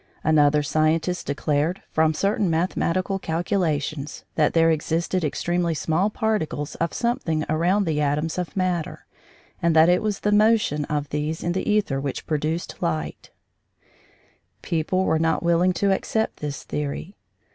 Another scientist declared, from certain mathematical calculations, that there existed extremely small particles of something around the atoms of matter, and that it was the motion of these in the æther which produced light. People were not willing to accept this theory.